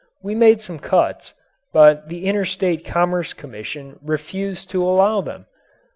We made some cuts, but the Interstate Commerce Commission refused to allow them!